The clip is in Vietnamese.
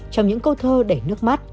trong những câu thơ đẩy nước mắt